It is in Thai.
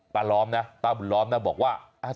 ป้าล้อมนะ